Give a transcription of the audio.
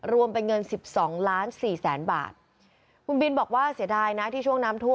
รวมเป็นเงินสิบสองล้านสี่แสนบาทคุณบินบอกว่าเสียดายนะที่ช่วงน้ำท่วม